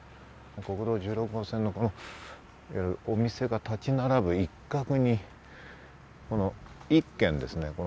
国道１６号線沿いのお店が立ち並ぶ一角に、この１軒ですね。